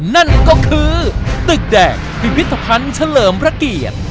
นั่นก็คือตึกแดงพิพิธภัณฑ์เฉลิมพระเกียรติ